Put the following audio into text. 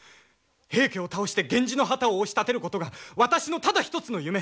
平家を倒して源氏の旗を押し立てることが私のただ一つの夢。